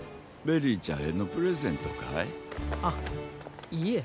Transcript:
ベリーちゃんへのプレゼントかい？